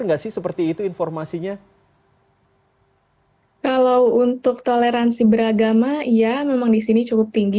enggak sih seperti itu informasinya kalau untuk toleransi beragama ya memang di sini cukup tinggi